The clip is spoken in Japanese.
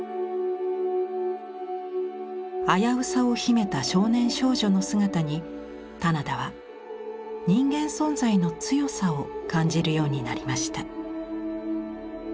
危うさを秘めた少年少女の姿に棚田は人間存在の強さを感じるようになりました。